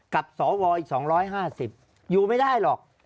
กับสวอีก๒๕๐อยู่ไม่ได้หรอก